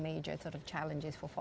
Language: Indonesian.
karena ini adalah salah satu